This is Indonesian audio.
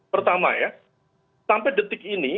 pertama ya sampai detik ini